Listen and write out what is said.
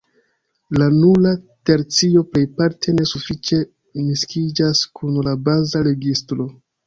La nura tercio plejparte ne sufiĉe miksiĝas kun la baza registro.